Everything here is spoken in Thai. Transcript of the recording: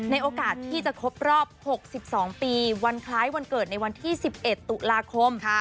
โอกาสที่จะครบรอบ๖๒ปีวันคล้ายวันเกิดในวันที่๑๑ตุลาคม